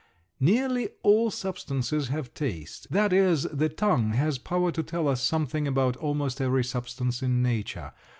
Nearly all substances have taste. That is, the tongue has power to tell us something about almost every substance in nature.